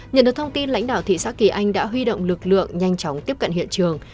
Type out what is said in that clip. nhận được thông tin lãnh đạo thị xã kỳ anh đã huy động lực lượng nhanh chóng tiếp cận hiện trường